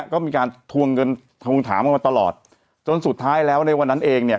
ก็มีการทวงเงินทวงถามกันมาตลอดจนสุดท้ายแล้วในวันนั้นเองเนี่ย